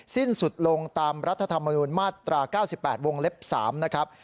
สิ้นสุดลงตามรัฐธรรมนูญมาตรา๙๘วงเล็บ๓นะครับ